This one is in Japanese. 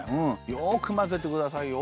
よくまぜてくださいよ。